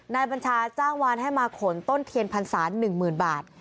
นายบัญชาจ้างวานให้มาขนต้นเทียนพันธุ์ศาสตร์หนึ่งหมื่นบาท